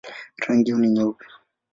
Rangi yao ni nyeupe.